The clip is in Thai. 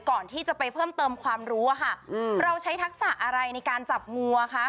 ก่อนที่จะไปเพิ่มเติมความรู้อะค่ะเราใช้ทักษะอะไรในการจับงูอ่ะคะ